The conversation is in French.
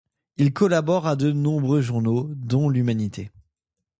Il collabore à de nombreux journaux, dont l'Humanité.